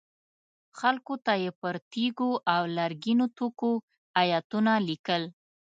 خلکو ته یې پر تیږو او لرګینو توکو ایتونه لیکل.